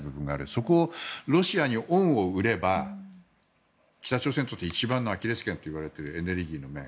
そこをロシアに恩を売れば北朝鮮にとって一番のアキレス腱といわれているエネルギーの面。